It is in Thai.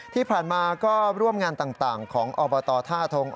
ที่ผ่านมาก็ร่วมงานต่างของอบตท่าทง